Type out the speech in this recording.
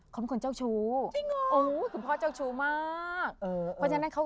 ทำไมอะ